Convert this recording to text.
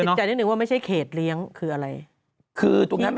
ใจนิดนึงว่าไม่ใช่เขตเลี้ยงคืออะไรคือตรงนั้นมัน